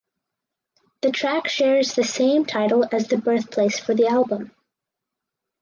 The track shares the same title as the birthplace for the album.